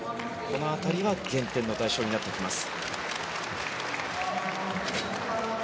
この辺りは減点の対象になってきます。